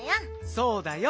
そうだよ。